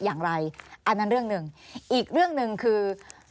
อันนั้นเรื่องหนึ่งอีกเรื่องหนึ่งคือ